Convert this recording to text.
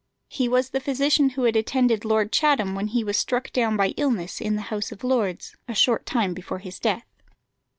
He was the physician who had attended Lord Chatham when he was struck down by illness in the House of Lords, a short time before his death.